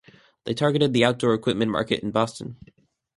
They targeted the outdoor equipment market in Boston.